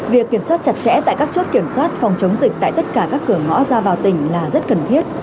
việc kiểm soát chặt chẽ tại các chốt kiểm soát phòng chống dịch tại tất cả các cửa ngõ ra vào tỉnh là rất cần thiết